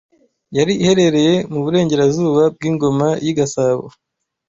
yari iherereye mu burengarazuba bw’Ingoma y’i Gasabo